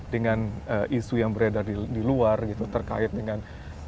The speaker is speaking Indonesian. dengan isu yang beredar di luar gitu terkait dengan